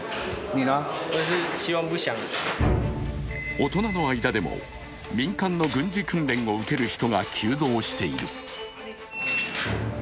大人の間でも民間の軍事訓練を受ける人が急増している。